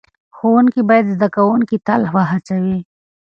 ښوونکي باید زده کوونکي تل وهڅوي.